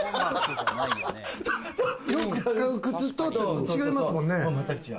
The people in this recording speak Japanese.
よく使う靴と違いますもんね。